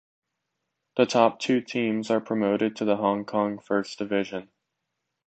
The top two teams are promoted to the Hong Kong First Division.